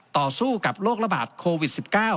ต่อสู้กับโรคระบาดโควิด๑๙